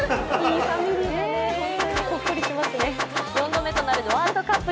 ４度目となるワールドカップ